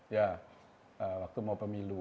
ya waktu mau pemilu